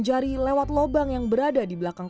jari lewat lobang yang berada di belakang